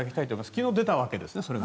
昨日出たわけですね。